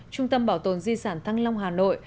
trung tâm bảo tồn di sản thăng long hà nội